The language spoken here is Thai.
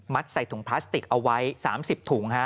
ใส่ถุงพลาสติกเอาไว้๓๐ถุง